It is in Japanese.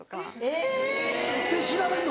えぇ！で調べんの？